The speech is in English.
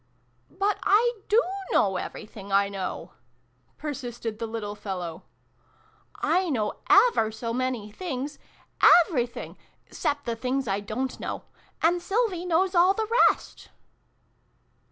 "But I do know everything I know!" per sisted the little fellow. " I know ever so many things ! Everything, 'cept the things I don't know. And Sylvie knows all the rest.